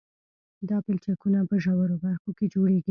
دا پلچکونه په ژورو برخو کې جوړیږي